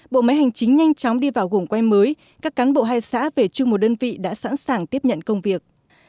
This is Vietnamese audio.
bộ máy hành chính nhanh chóng đi vào gồm quay mới các cán bộ hai xã về chung một đơn vị đã sẵn sàng tiếp nhận công việc